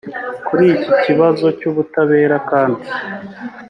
Kuri iki kibazo cy’ubutabera kandi